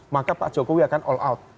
maka pak jokowi akan all out